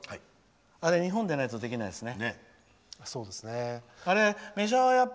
あれ、日本じゃないとできないですね。